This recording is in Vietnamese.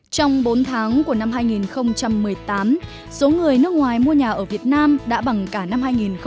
trong bốn tháng của năm hai nghìn một mươi tám số người nước ngoài mua nhà ở việt nam đã bằng cả năm hai nghìn một mươi bảy